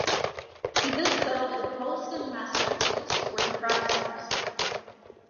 He then settled in Holliston, Massachusetts, where he practiced medicine.